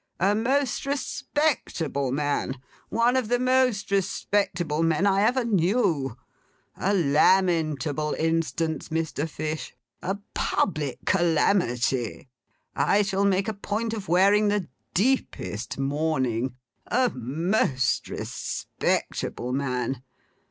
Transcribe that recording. A most respectable man. One of the most respectable men I ever knew! A lamentable instance, Mr. Fish. A public calamity! I shall make a point of wearing the deepest mourning. A most respectable man!